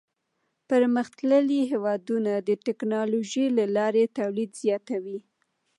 پرمختللي هېوادونه د ټکنالوژۍ له لارې تولید زیاتوي.